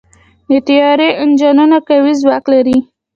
د طیارې انجنونه قوي ځواک لري.